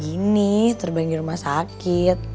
ya gini terbangin rumah sakit